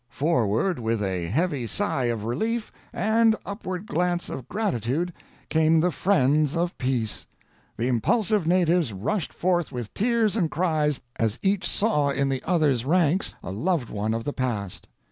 Forward, with a heavy sigh of relief, and upward glance of gratitude, came the friends of peace. The impulsive natives rushed forth with tears and cries, as each saw in the other's rank a loved one of the past.